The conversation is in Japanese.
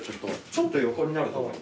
ちょっと横になると思います。